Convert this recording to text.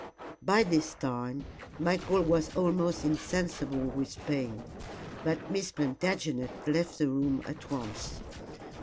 By this time Michael was almost insensible with pain, but Miss Plantagenet left the room at once.